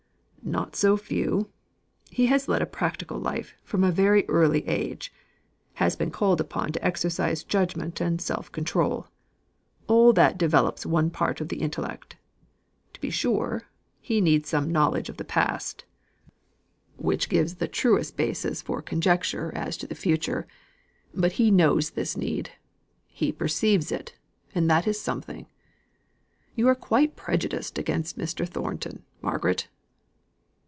"Not so few. He has led a practical life from a very early age, has been called upon to exercise judgment and self control. All that developes one part of the intellect. To be sure, he needs some of the knowledge of the past, which gives the truest basis for conjecture as to the future; but he knows this need he perceives it, and that is something. You are quite prejudiced against Mr. Thornton, Margaret."